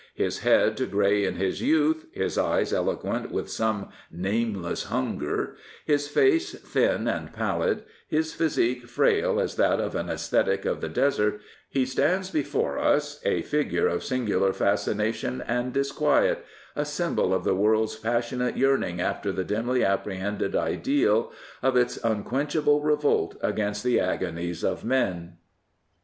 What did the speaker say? His head grey in his youth, his eyes eloquent with some name less hunger, his face thin and pallid,, his physique frail as that of an ascetic of the desert, he stands before us a figure of singular fascination and disquiet, a symbol of the world's passionate yearning after the dimly apprehended ideal, of its unquenchable revolt against the agonies of men.